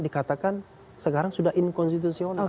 dikatakan sekarang sudah inkonstitusional